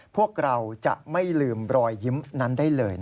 พวกเราจะไม่ลืมรอยยิ้มนั้นได้เลย